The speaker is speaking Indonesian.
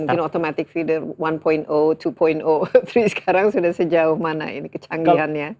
ada mungkin automatic feeder satu dua tiga sekarang sudah sejauh mana ini kecanggihan ya